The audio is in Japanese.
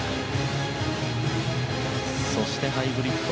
そしてハイブリッド。